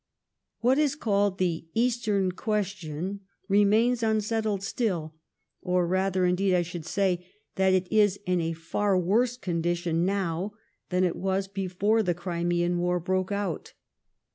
What is called the Eastern Question remains unsettled still, or rather, indeed, I should say that it is in a far worse condition now than it was before the Crimean War broke out.